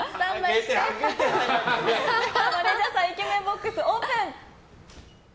ではマネジャーさんイケメンボックスオープン！